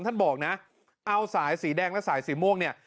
ท่านบอกนะเอาสายสีแดงและสายสีม่วงเนี่ย